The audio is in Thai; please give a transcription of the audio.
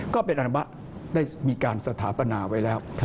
ก็เป็นอนุมะได้มีการสถาปนาไว้แล้ว